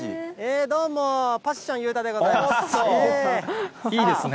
どうも、パッション裕太でごいいですね。